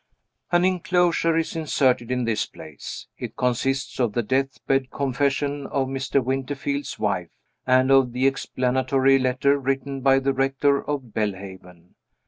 (An inclosure is inserted in this place. It consists of the death bed confession of Mr. Winterfield's wife, and of the explanatory letter written by the rector of Belhaven.